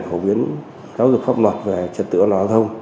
phổ biến giáo dục pháp luật về trật tựa giao thông